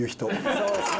そうですね。